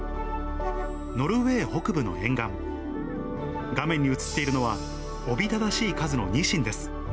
ノルウェー北部の沿岸、画面に映っているのは、おびただしい数のニシンです。